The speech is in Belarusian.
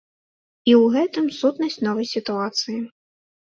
І ў гэтым сутнасць новай сітуацыі.